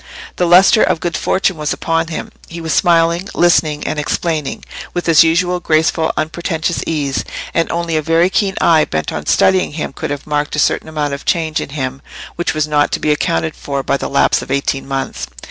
The lustre of good fortune was upon him; he was smiling, listening, and explaining, with his usual graceful unpretentious ease, and only a very keen eye bent on studying him could have marked a certain amount of change in him which was not to be accounted for by the lapse of eighteen months.